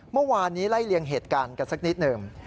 เมื่อวานนี้ไล่เลี่ยงเหตุการณ์กันสักนิดหนึ่ง